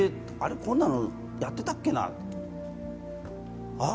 こんなのやってたっけなぁ？